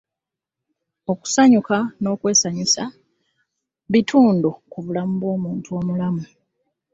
Okusanyuka n'okwesanyusa bitundu ku bulamu bw'omuntu omulamu.